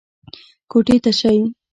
کوټې ته شئ.